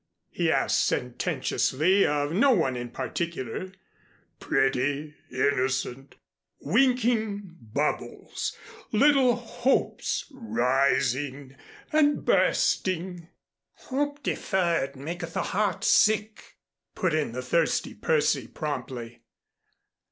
he asked sententiously of no one in particular, "pretty, innocent, winking bubbles! Little hopes rising and bursting." "Hope deferred maketh the heart sick," put in the thirsty Percy promptly.